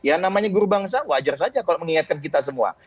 ya namanya guru bangsa wajar saja kalau mengingatkan kita semua